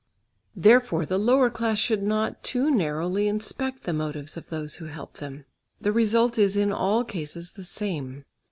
Therefore the lower class should not too narrowly inspect the motives of those who help them; the result is in all eases the same.